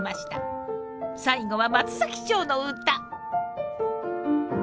最後は松崎町のうた。